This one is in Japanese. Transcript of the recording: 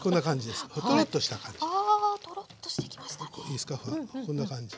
いいですかほらこんな感じ。